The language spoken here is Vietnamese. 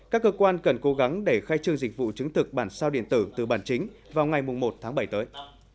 các cơ quan cần cố gắng để khai trương dịch vụ chứng thực bản sao điện tử từ bản chính vào ngày một tháng bảy tới